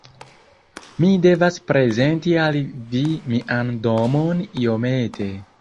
Mi devas prezenti al vi mian domon iomete.